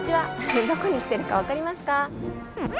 どこに来てるか分かりますか？